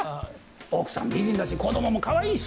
奥さん美人だし子供もかわいいし！